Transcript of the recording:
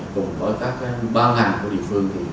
cùng với các băng ảnh của địa phương